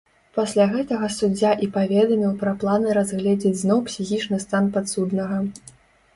Пасля гэтага суддзя і паведаміў пра планы разгледзець зноў псіхічны стан падсуднага.